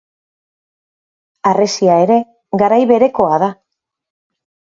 Harresia ere garai berekoa da.